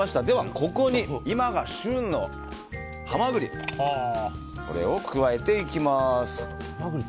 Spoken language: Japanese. ではここに今が旬のハマグリこれを加えていきます。